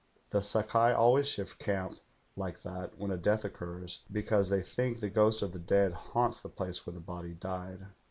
The Sfdvai always shift camp, like that, when a death occurs, because they think the ghost of the dead haunts the phice where the body died.